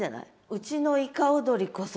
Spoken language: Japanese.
うちのいか踊りこそ！